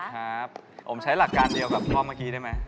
ครับผมใช้หลักการเดียวกับพ่อเมื่อกี้ได้ไหม